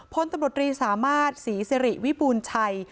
พลตำรวจรีสามารถศรีสิริวิบูรณ์ชัย